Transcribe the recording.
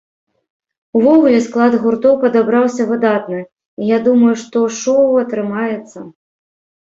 Увогуле, склад гуртоў падабраўся выдатны і я думаю, што шоў атрымаецца.